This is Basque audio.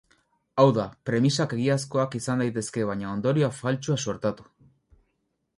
Hau da, premisak egiazkoak izan daitezke baina ondorioa faltsua suertatu.